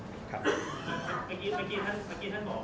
เมื่อกี้ท่านบอกว่ารายชื่อใหม่มีเป็นรายชื่อซึ่ง๓ดับ๓คนเดิม